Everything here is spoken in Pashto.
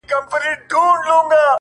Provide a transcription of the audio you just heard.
هغه د بل د كور ډېوه جوړه ده ـ